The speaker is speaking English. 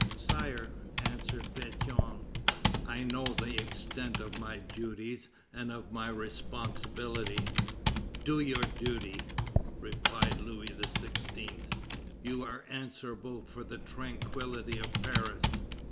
"Sire," answered Pétion, "I know the extent of my duties and of my responsibility." "Do your duty!" replied Louis XVI.; "You are answerable for the tranquillity of Paris.